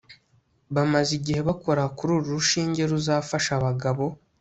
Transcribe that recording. bamaze igihe bakora kuri uru rushinge ruzafasha abagabo